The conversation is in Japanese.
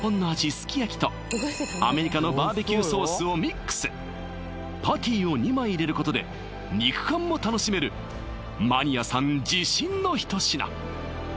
すき焼きとアメリカのバーベキューソースをミックスパティを２枚入れることで肉感も楽しめるマニアさん自信の一品！